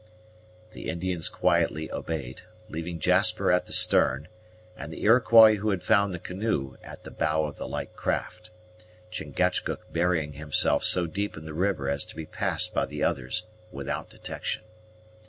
The Indians quietly obeyed, leaving Jasper at the stern, and the Iroquois who had found the canoe at the bow of the light craft, Chingachgook burying himself so deep in the river as to be passed by the others without detection.